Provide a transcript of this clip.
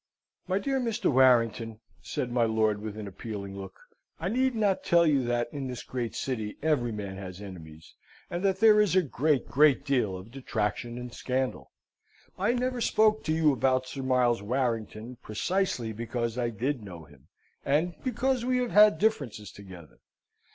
"My dear Mr. Warrington," said my lord, with an appealing look, "I need not tell you that, in this great city, every man has enemies, and that there is a great, great deal of detraction and scandal. I never spoke to you about Sir Miles Warrington, precisely because I did know him, and because we have had differences together.